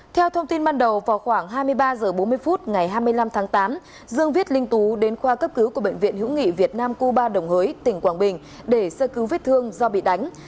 theo thông tin ban đầu vào khoảng hai mươi ba h bốn mươi phút ngày hai mươi năm tháng tám dương viết linh tú đến khoa cấp cứu của bệnh viện hữu nghị việt nam cuba đồng hới tỉnh quảng bình để sơ cứu vết thương do bị đánh